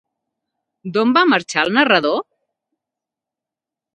D'on va marxar el narrador?